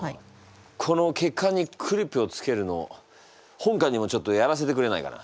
この血管にクリップをつけるの本官にもちょっとやらせてくれないかな。